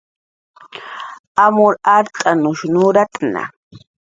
Amur art'anush nuratna